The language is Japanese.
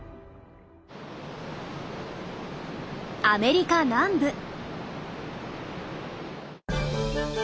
アメリカ南部。